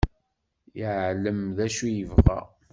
Yeɛlem d acu i yebɣa.